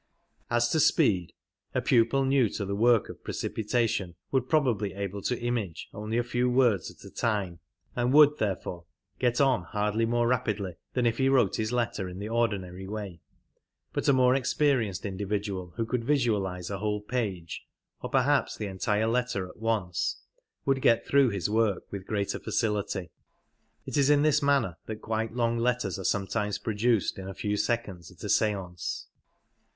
As to speed, a pupil new to the work of precipitation would probably be able lo image only a few words at a time, and would, therefore, get on hardly more rapidly than if he wrote his letter in the ordinary way, but a more experienced individual who could visualize a whole page or perhaps the entire letter at once would get through his work with greater facility. It is in this manner that quite long letters are sometimes produced in a few seconds at a stance.